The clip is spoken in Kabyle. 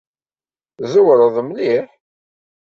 Tẓewreḍ mliḥ.